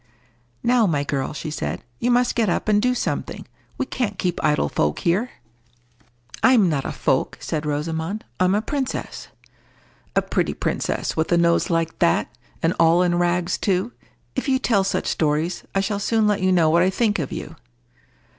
"Now, my girl," she said, "you must get up, and do something. We can't keep idle folk here." "I'm not a folk," said Rosamond; "I'm a princess." "A pretty princess—with a nose like that! And all in rags too! If you tell such stories, I shall soon let you know what I think of you."